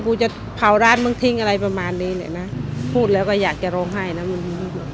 กูจะเผาร้านมึงทิ้งอะไรประมาณนี้เนี่ยนะพูดแล้วก็อยากจะร้องไห้นะมึง